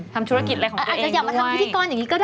ทำธุรกิจอะไรของเขาอาจจะอยากมาทำพิธีกรอย่างนี้ก็ได้